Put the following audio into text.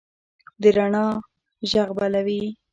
د روڼا ږغ بلوي